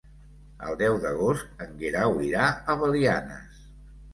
El deu d'agost en Guerau irà a Belianes.